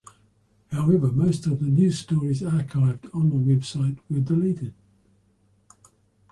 However, most of the news stories archived on the website were deleted.